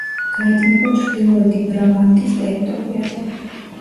გაედინება ჩრდილოეთი ბრაბანტის ტერიტორიაზე.